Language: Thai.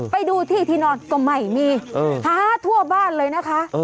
ไปดูที่ที่นอนก็ไม่มีหาทั่วบ้านเลยนะคะ